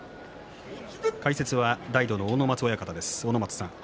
解説は、大道の阿武松親方です。